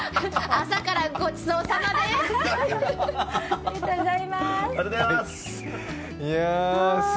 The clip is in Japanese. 朝からごちそうさまです。